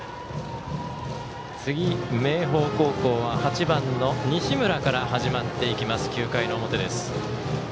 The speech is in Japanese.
次、明豊高校は８番の西村から始まっていく９回の表です。